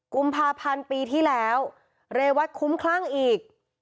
กุมภาพันธ์ปีที่แล้วเรวัตคุ้มคลั่งอีก